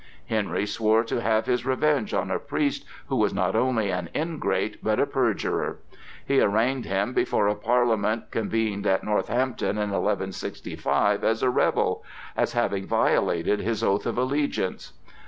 Henry swore to have his revenge on a priest who was not only an ingrate but a perjurer. He arraigned him before a parliament convened at Northampton in 1165 as a rebel, as having violated his oath of allegiance.